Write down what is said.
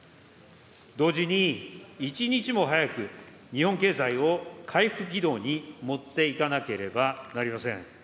同時に一日も早く日本経済を回復軌道に持っていかなければなりません。